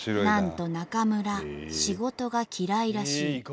なんとナカムラ仕事が嫌いらしい。